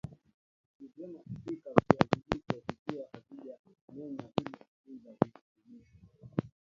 ni nyema kupika viazi lishe vikiwa havija menywa ili kutunza virutubisho